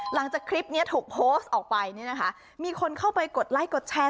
หลังจากคลิปนี้ถูกโพสต์ออกไปเนี่ยนะคะมีคนเข้าไปกดไลค์กดแชร์